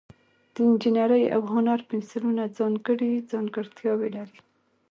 د انجینرۍ او هنر پنسلونه ځانګړي ځانګړتیاوې لري.